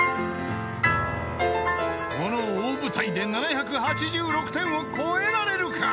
［この大舞台で７８６点を超えられるか？］